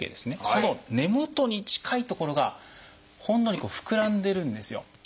その根元に近い所がほんのり膨らんでるんですよ。